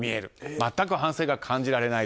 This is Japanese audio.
全く反省が感じられない。